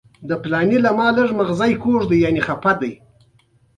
د ایډیټینګ تسلسل د لیدونکي تمرکز ساتي.